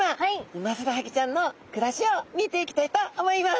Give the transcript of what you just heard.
ウマヅラハギちゃんのくらしを見ていきたいと思います！